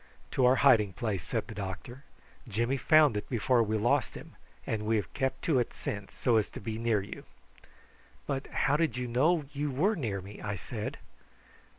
"To our hiding place," said the doctor. "Jimmy found it before we lost him, and we have kept to it since, so as to be near you." "But how did you know you were near me?" I said.